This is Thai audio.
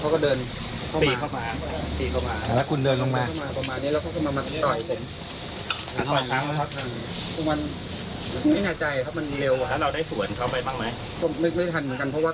ก็ลงมาต่อยกัน